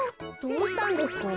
どうしたんですか？